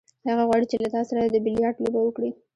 هغه غواړي چې له تا سره د بیلیارډ لوبه وکړي.